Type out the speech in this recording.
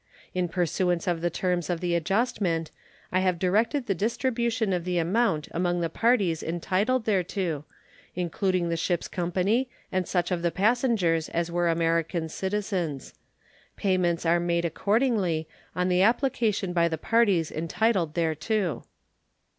In pursuance of the terms of the adjustment, I have directed the distribution of the amount among the parties entitled thereto, including the ship's company and such of the passengers as were American citizens. Payments are made accordingly, on the application by the parties entitled thereto.